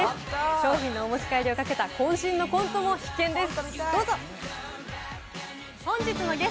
商品のお持ち帰りをかけた渾身のコントも必見です。